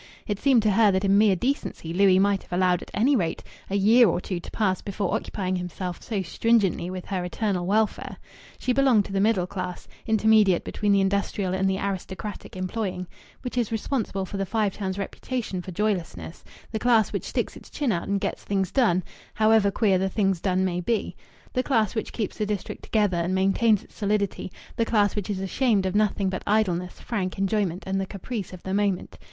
It seemed to her that in mere decency Louis might have allowed at any rate a year or two to pass before occupying himself so stringently with her eternal welfare. She belonged to the middle class (intermediate between the industrial and the aristocratic employing) which is responsible for the Five Towns' reputation for joylessness, the class which sticks its chin out and gets things done (however queer the things done may be), the class which keeps the district together and maintains its solidity, the class which is ashamed of nothing but idleness, frank enjoyment, and the caprice of the moment.